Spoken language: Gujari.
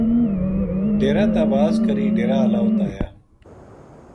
ڈیرا تا واز کری ڈیرا ہالا اُت آیا